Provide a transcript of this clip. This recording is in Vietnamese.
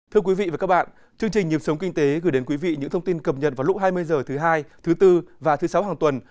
thưa quý vị và các bạn chương trình nhịp sống kinh tế gửi đến quý vị những thông tin cập nhật vào lúc hai mươi h thứ hai thứ bốn và thứ sáu hàng tuần